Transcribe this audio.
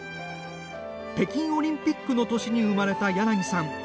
北京オリンピックの年に生まれた柳さん。